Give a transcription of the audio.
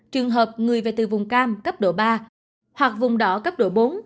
trường hợp người về từ vùng cam cấp độ ba hoặc vùng đỏ cấp độ bốn